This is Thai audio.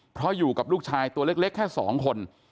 เพราะอยู่กับลูกชายตัวเล็กแค่๒คน